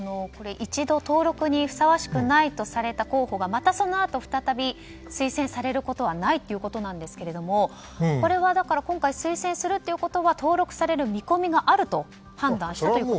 一度登録にふさわしくないとされた候補がまたそのあと再び推薦されることはないということなんですがこれは今回推薦するということは登録される見込みがあると判断したと。